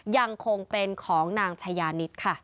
ยังคงเป็นของนางชายานิดค่ะ